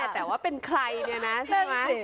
แต่ว่าเป็นใครเนี่ยนะใช่ไหม